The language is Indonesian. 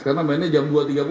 karena mainnya jam dua tiga puluh